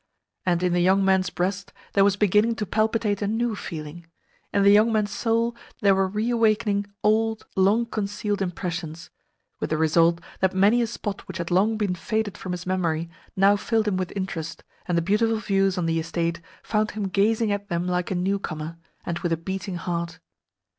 And in the young man's breast there was beginning to palpitate a new feeling in the young man's soul there were reawakening old, long concealed impressions; with the result that many a spot which had long been faded from his memory now filled him with interest, and the beautiful views on the estate found him gazing at them like a newcomer, and with a beating heart.